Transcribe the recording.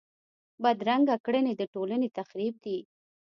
بدرنګه کړنې د ټولنې تخریب دي